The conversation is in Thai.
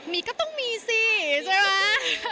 มีก็ต้องมีสิใช่ไหม